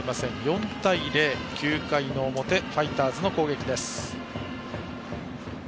４対０、９回の表ファイターズの攻撃です。